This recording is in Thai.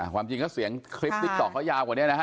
ความจริงแล้วเสียงคลิปติ๊กต๊อกเขายาวกว่านี้นะฮะ